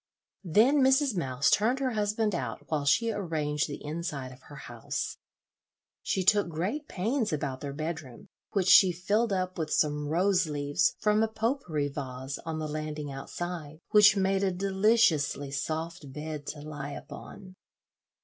Then Mrs. Mouse turned her husband out while she arranged the inside of her house. She took great pains about their bedroom, which she filled up with some rose leaves from a "pot pourri" vase on the landing outside, which made a deliciously soft bed to lie upon.